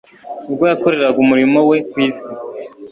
Ubwo yakoreraga umurimo we ku isi